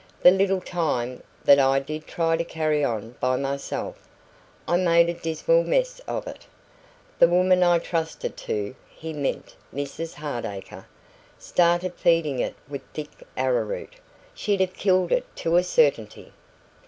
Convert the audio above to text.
The little time that I did try to carry on by myself, I made a dismal mess of it. The woman I trusted to' he meant Mrs Hardacre 'started feeding it with thick arrowroot. She'd have killed it to a certainty."